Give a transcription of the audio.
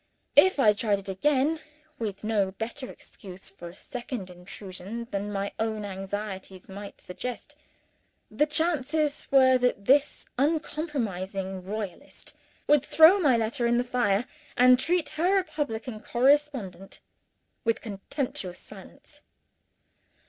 If I tried it again, with no better excuse for a second intrusion than my own anxieties might suggest, the chances were that this uncompromising royalist would throw my letter in the fire, and treat her republican correspondent with contemptuous silence.